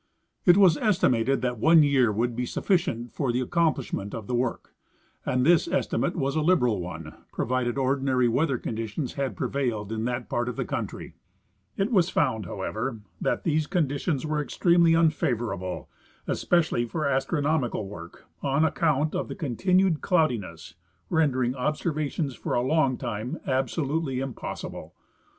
It was estimated that one year would be sufficient for the ac complishment of the work, and this estimate was a liberal one, provided ordinary Aveather conditions had prevailed in that part of the country. It was found, however, that these conditions were extremely unfavorable, especially for astronomical work, on account of the continued cloudiness, rendering observations for a long time absolutely impossible.